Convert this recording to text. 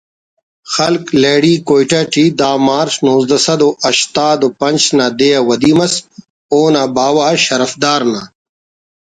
خلق لہڑی کوئٹہ ٹی دہ مارچ نوزدہ سد و ہشتاد و پنچ نا دے ودی مس اونا باوہ شرفدار نا